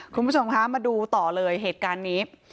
คุณผู้ชมคะมาดูต่อเลยเหตุการณ์นี้